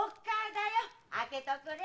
開けとくれ！